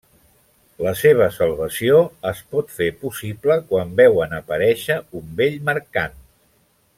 La seva salvació es pot fer possible quan veuen aparèixer un vell mercant.